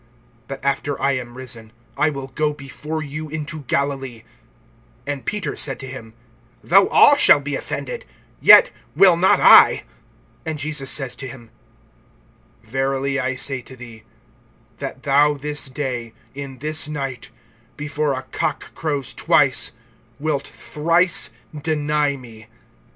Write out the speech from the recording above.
(28)But after I am risen, I will go before you into Galilee. (29)And Peter said to him: Though all shall be offended, yet will not I. (30)And Jesus says to him: Verily I say to thee, that thou this day, in this night, before a cock crows twice, wilt thrice deny me.